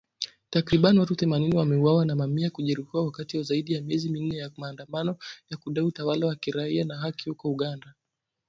Takribani watu themanini wameuawa na mamia kujeruhiwa wakati wa zaidi ya miezi minne ya maandamano ya kudai utawala wa kiraia na haki huko Uganda.